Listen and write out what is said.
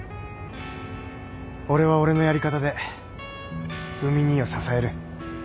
俺は俺のやり方で海兄を支える